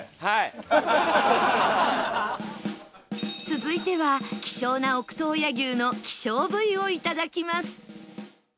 続いては希少な奥洞爺牛の希少部位をいただきます